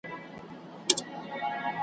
د تیارو د شیطان غرونه یو په بل پسي ړنګېږي .